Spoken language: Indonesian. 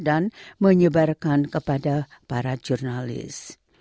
dan menyebarkan kepada para jurnalis